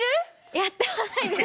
やってはないです